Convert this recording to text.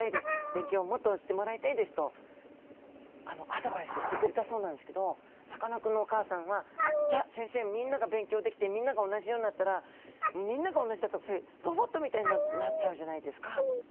勉強をもっとしてもらいたいです」とアドバイスしてくれたそうなんですけどさかなクンのお母さんは「いや先生みんなが勉強できてみんなが同じようになったらみんなが同じだったらそれロボットみたいになっちゃうじゃないですか」と。